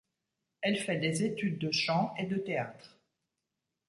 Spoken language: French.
Elle fait des études de chant et de théâtre.